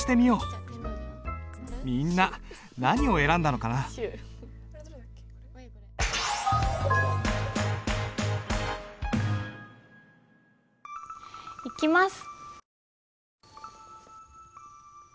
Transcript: みんな何を選んだのかな？いきます！